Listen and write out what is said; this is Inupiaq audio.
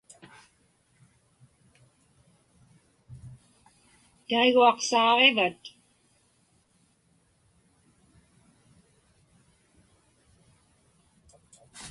Taiguaqsaaġivat?